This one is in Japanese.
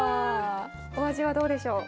お味はどうでしょう。